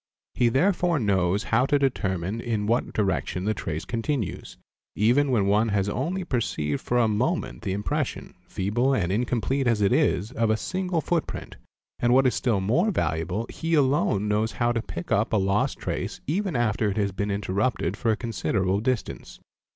He therefore knows how to determine in what direction the trace continues, even when one has only perceived for a moment the impression, feeble and incomplete as it is, of a single foot _ print, and what is still more valuable he alone knows how to pick up a lost _ trace even after it has been interrupted for a considerable distance.